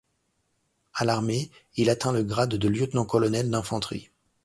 À l'armée, il atteint le grade de lieutenant-colonel d'infanterie.